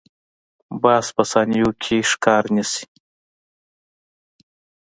باز په ثانیو کې ښکار نیسي